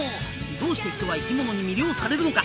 どうして人は生き物に魅了されるのか？